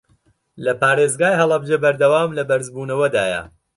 لە پارێزگای هەڵەبجە بەردەوام لە بەرزبوونەوەدایە